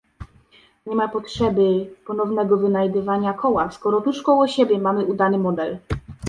Nie ma potrzeby ponownego wynajdywania koła, skoro tuż koło siebie mamy udany model